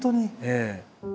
ええ。